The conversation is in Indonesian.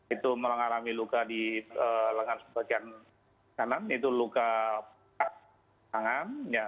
itu mengalami luka di lengan sebagian kanan itu luka tangan